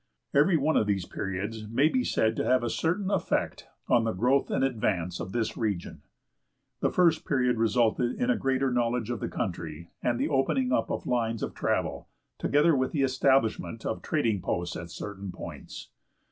Every one of these periods may be said to have had a certain effect on the growth and advance of this region. The first period resulted in a greater knowledge of the country, and the opening up of lines of travel, together with the establishment of trading posts at certain points.